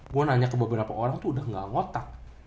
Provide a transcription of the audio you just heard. gue nanya ke beberapa orang tuh udah gak ngotak